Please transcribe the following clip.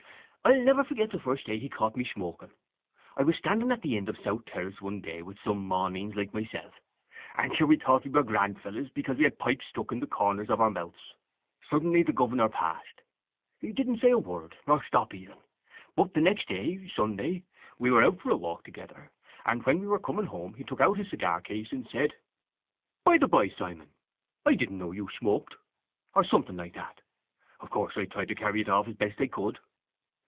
I'll never forget the first day he caught me smoking. I was standing at the end of the South Terrace one day with some maneens like myself and sure we thought we were grand fellows because we had pipes stuck in the corners of our mouths. Suddenly the governor passed. He didn't say a word, or stop even. But the next day, Sunday, we were out for a walk together and when we were coming home he took out his cigar case and said:—By the by, Simon, I didn't know you smoked, or something like that.—Of course I tried to carry it off as best I could.